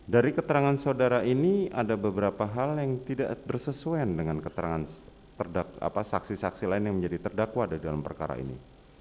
dari keterangan saudara ini ada beberapa hal yang tidak bersesuaian dengan keterangan saksi saksi lain yang menjadi terdakwa di dalam perkara ini